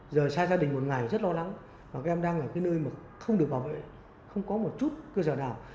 giờ xa gia đình một ngày rất lo lắng và các em đang là cái nơi mà không được bảo vệ không có một chút cơ sở nào